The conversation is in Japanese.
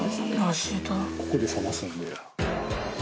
ここで冷ますんだよ。